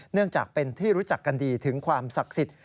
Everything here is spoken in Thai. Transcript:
เนื่องจากเป็นที่รู้จักกันดีถึงความศักดิ์สิทธิ์